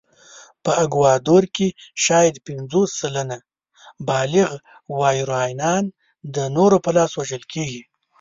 په اکوادور کې شاید پنځوس سلنه بالغ وایورانيان د نورو په لاس وژل کېږي.